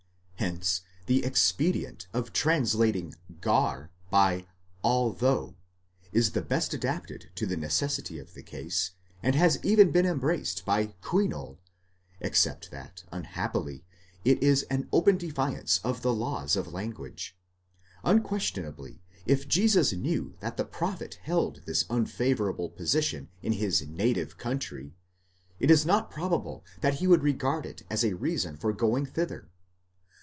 hence the expedient of translating yap by although, is the best adapted to the necessity of the case, and has even been embraced by Kuindl, except that, unhappily, it is an open defiance of the laws of language. Unquestionably, if Jesus knew that the prophet held this unfavourable position in his native country, πατρίς, it is not probable that he would regard it as a reason for going thither.